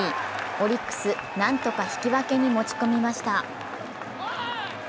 オリックス、何とか引き分けに持ち込みました。